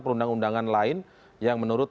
perundang undangan lain yang menurut